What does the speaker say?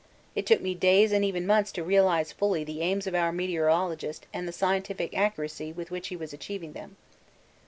It took me days and even months to realise fully the aims of our meteorologist and the scientific accuracy with which he was achieving them.